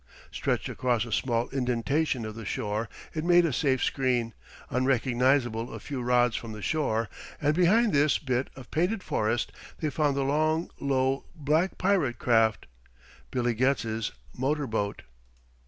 Stretched across a small indentation of the shore it made a safe screen, unrecognizable a few rods from the shore, and behind this bit of painted forest they found the long, low, black pirate craft Billy Getz's motor boat.